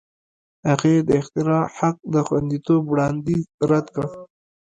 هغې د اختراع حق د خوندیتوب وړاندیز رد کړ.